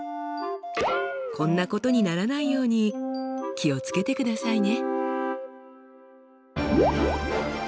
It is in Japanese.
こんなことにならないように気を付けてくださいね！